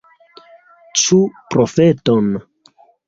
Ĉu profeton?